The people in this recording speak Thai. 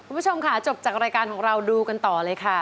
คุณผู้ชมค่ะจบจากรายการของเราดูกันต่อเลยค่ะ